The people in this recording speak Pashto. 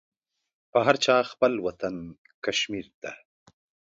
په هر چا خپل وطن کشمير ده.